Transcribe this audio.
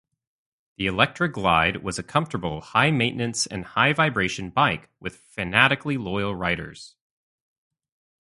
The Electra Glide was a comfortable, high-maintenance and high-vibration bike with fanatically loyal riders.